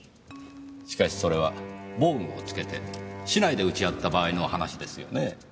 しかしそれは防具をつけて竹刀で打ち合った場合の話ですよねぇ。